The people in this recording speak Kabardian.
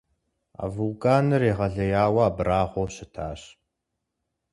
А вулканыр егъэлеяуэ абрагъуэу щытащ.